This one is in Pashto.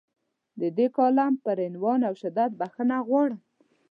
د دې کالم پر عنوان او شدت بخښنه غواړم.